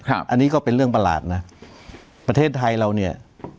อันนี้ก็เป็นเรื่องประหลาดนะประเทศไทยเราเนี่ย